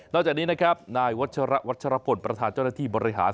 จากนี้นะครับนายวัชระวัชรพลประธานเจ้าหน้าที่บริหาร